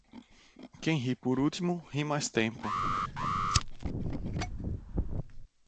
Quem ri por último, ri mais tempo.